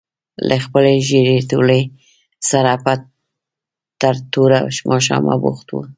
له خپلې ژېړې تولۍ سره به تر توره ماښامه بوخت وو.